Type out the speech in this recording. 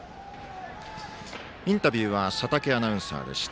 インタビューは佐竹アナウンサーでした。